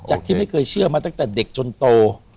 ที่ไม่เคยเชื่อมาตั้งแต่เด็กจนโต